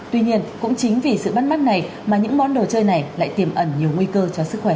tuy nhiên cũng chính vì sự bắt mắt này mà những món đồ chơi này lại tiềm ẩn nhiều nguy cơ cho sức khỏe